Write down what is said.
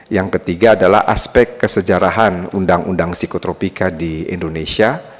yang ketiga adalah aspek kesejarahan undang undang psikotropika di indonesia